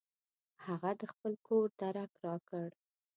هغه د خپل کور درک راکړ.